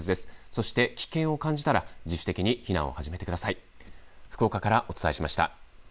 そして、危険を感じたら、自主的に避難を始めてください。